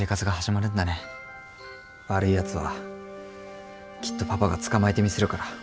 悪いやつはきっとパパが捕まえてみせるから。